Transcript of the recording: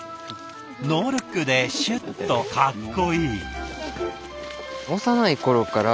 ノールックでシュッとかっこいい。